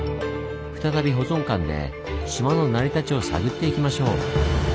再び保存館で島の成り立ちを探っていきましょう。